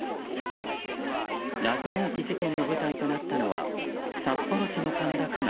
謎多き事件の舞台となったのは札幌市の歓楽街